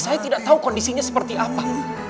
saya tidak tahu kondisinya seperti apa